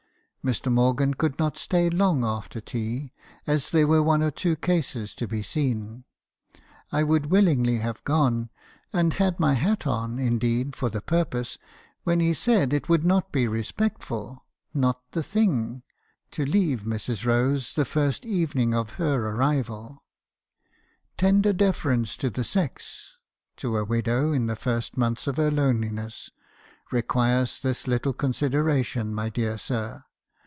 "Mr. Morgan could not stay long after tea, as there were one or two cases to be seen. I would willingly have gone , and had my hat on, indeed, for the purpose, when he said it would am. habiiison's confessions, 253 not be respectful, 'not the thing,' to leave Mrs. Rose the first evening of her arrival. "' Tender deference to the sex, — to a widow in the first months of her loneliness, — requires this little consideration, my dear sir.